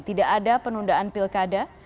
tidak ada penundaan pilkada